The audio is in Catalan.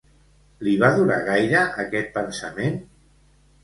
Li va durar gaire aquest pensament?